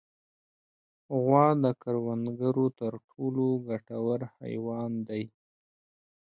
غوا د کروندګرو تر ټولو ګټور حیوان دی.